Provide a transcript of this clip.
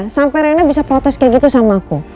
sampai rena bisa protes kayak gitu sama aku